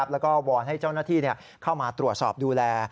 แล้วก็วอนให้เจ้าหน้าที่เข้ามาตรวจสอบดูแล